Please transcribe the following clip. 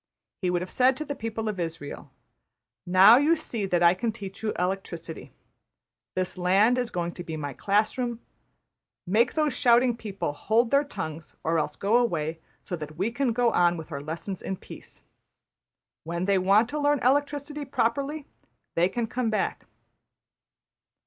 He would have said to the people of Israël, ``Now you see that I can teach you electricity; this land is going to be my class room; make those shouting people hold their tongues, or else go away; so that we can go on with our lessons in peace. When they want to learn electricity properly, they can come back.''